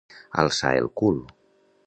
Alçar el cul.